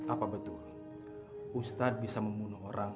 apa betul ustadz bisa membunuh orang